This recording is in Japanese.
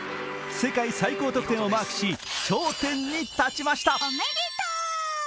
世界最高得点をマークし、頂点に立ちました。